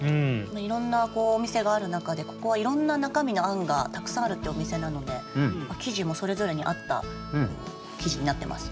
いろんなお店がある中でここはいろんな中身のあんがたくさんあるってお店なので生地もそれぞれに合った生地になってますよね。